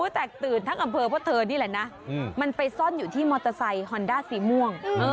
แตกตื่นทั้งอำเภอเพราะเธอนี่แหละนะมันไปซ่อนอยู่ที่มอเตอร์ไซค์ฮอนด้าสีม่วง